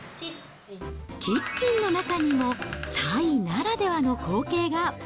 キッチンの中にも、タイならではの光景が。